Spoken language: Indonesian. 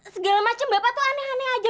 segala macam bapak tuh aneh aneh aja